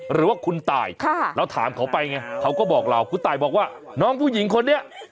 หรือว่าคุณตายเราถามเขาไปไงเขาก็บอกเราคุณตายบอกว่าน้องผู้หญิงคนนี้